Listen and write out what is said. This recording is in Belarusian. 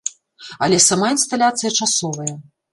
Але сама інсталяцыя часовая.